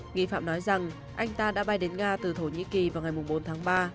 nghi phạm nói rằng anh ta đã bay đến nga từ thổ nhĩ kỳ vào ngày bốn tháng ba